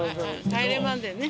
『帰れマンデー』ね。